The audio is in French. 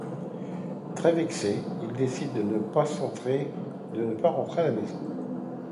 Très vexé, il décide de ne pas rentrer à la maison.